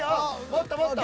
もっともっと。